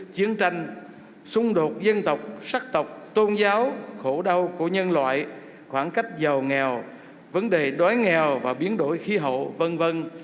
chiến tranh xung đột dân tộc sắc tộc tôn giáo khổ đau của nhân loại khoảng cách giàu nghèo vấn đề đói nghèo và biến đổi khí hậu v v